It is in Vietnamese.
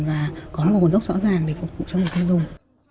và có một nguồn gốc rõ ràng để phục vụ cho người tiêu dùng